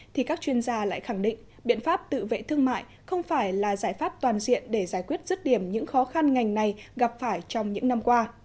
thì các chuyên gia lại khẳng định biện pháp tự vệ thương mại không phải là giải pháp toàn diện để giải quyết rứt điểm những khó khăn ngành này gặp phải trong những năm qua